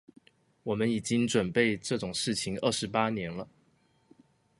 我們已經準備這種事情二十八年了